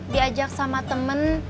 diajak sama temen